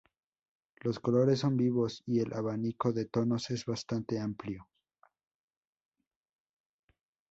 Los colores son vivos y el abanico de tonos es bastante amplio.